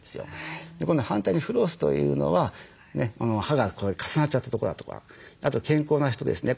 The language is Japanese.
今度反対にフロスというのは歯がこう重なっちゃった所だとかあと健康な人ですね。